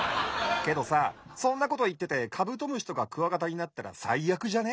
けどさそんなこといっててカブトムシとかクワガタになったらさいあくじゃね？